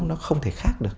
nó không thể khác được